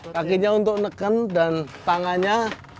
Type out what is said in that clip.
kakinya untuk neken dan tangannya